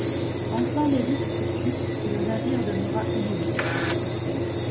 Enfin l’hélice se tut, et le navire demeura immobile.